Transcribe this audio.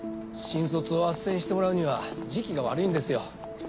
新卒をあっせんしてもらうには時期が悪いんですよ。